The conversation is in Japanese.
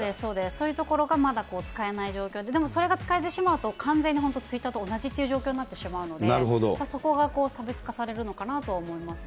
そういうところがまだ使えない状況で、でもそれが使えてしまうと、完全に本当にツイッターと同じという状況になってしまうので、そこが差別化されるのかなと思いますね。